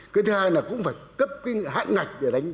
cái thứ hai là cũng phải cấp hạn